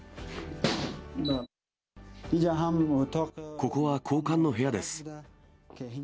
ここは高官の部屋です。